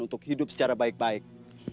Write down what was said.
untuk hidup secara baik baik